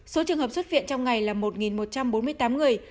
số trường hợp xuất viện trong ngày là một một trăm bốn mươi tám người